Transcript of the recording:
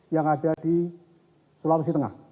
yang ada di sulawesi tengah